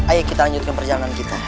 ayo kita lanjutkan perjalanan kita